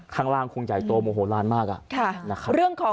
ข้างล่างคงใหญ่ตัวโอ้โหร้านมากอะนะครับ